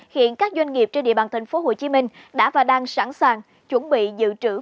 hiện các doanh nghiệp trên địa bàn tp hcm đã và đang sẵn sàng chuẩn bị dự trữ